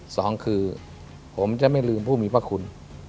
สองคือผมจะไม่ลืมผู้มีพระคุณ